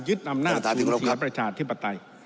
ยึดอำนาจสูงที่ประชาธิปไตย